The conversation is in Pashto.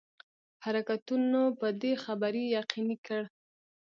حرکتونو په دې خبري یقیني کړ.